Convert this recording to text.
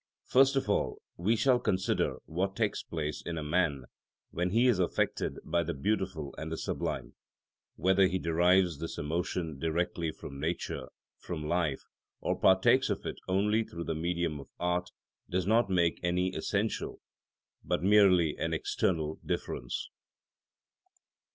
First of all we shall consider what takes place in a man when he is affected by the beautiful and the sublime; whether he derives this emotion directly from nature, from life, or partakes of it only through the medium of art, does not make any essential, but merely an external, difference.